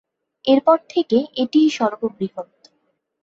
এরপর থেকে এটিই সর্ববৃহৎ।